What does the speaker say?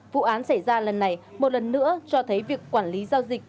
vụ án xảy ra lần này một lần nữa cho thấy việc quản lý giao dịch